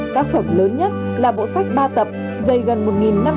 tác phẩm lớn nhất là bộ sách ba tập dày gần một năm trăm linh